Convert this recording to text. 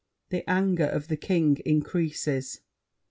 [The anger of The King increases.